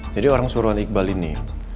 jadi orang suruhan iqbal ini